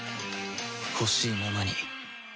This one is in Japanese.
ほしいままに